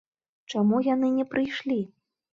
Чаму яны не прыйшлі?